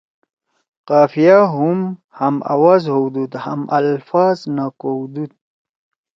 قافیہ ہُم ہم آواز ہؤدُود ہم الفاظ نہ کؤدُود۔